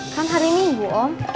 kan hari minggu om